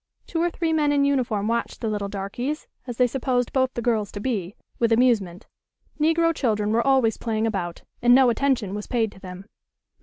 Two or three men in uniform watched the little "darkies," as they supposed both the girls to be, with amusement. Negro children were always playing about, and no attention was paid to them.